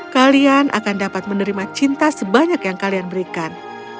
kalian akan dapat menerima cinta sebanyak yang kalian berikan